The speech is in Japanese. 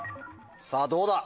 さぁどうだ？